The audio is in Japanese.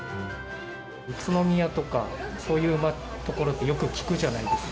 宇都宮とか、そういうところってよく聞くじゃないですか。